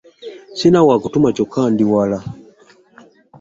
Ssirina wa kutuma kyokka ndi wala.